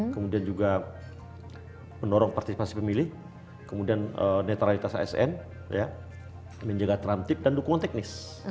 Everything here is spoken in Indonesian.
kemudian juga mendorong partisipasi pemilih kemudian netralitas asn menjaga teram tip dan dukungan teknis